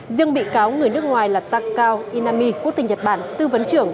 riêng bị cáo người nước ngoài là takao inami quốc tịch nhật bản tư vấn trưởng